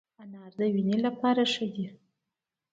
انار د وینې لپاره ښه دی